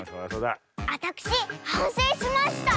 あたくしはんせいしました！